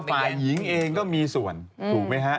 ฝ่ายหญิงเองก็มีส่วนถูกไหมฮะ